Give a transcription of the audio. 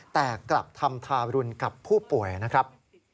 แต่กลับทำทารุณกับผู้ป่วยนะครับ